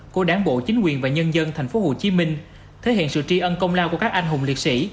của đảng bộ chính quyền và nhân dân tp hcm thể hiện sự tri ân công lao của các anh hùng liệt sĩ